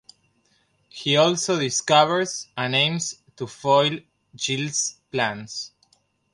He also discovers and aims to foil Giles's plans.